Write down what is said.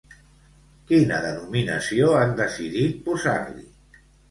Quina denominació han decidit posar-li?